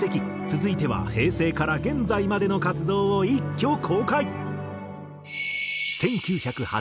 続いては平成から現在までの活動を一挙公開。